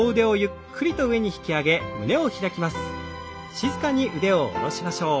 静かに腕を下ろしましょう。